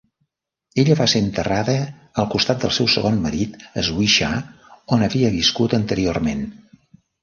Ella va ser enterrada al costat del seu segon marit Swisha, on havia viscut anteriorment.